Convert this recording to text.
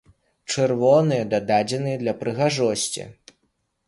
Чырвоныя дададзеныя для прыгажосці.